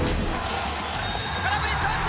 空振り三振！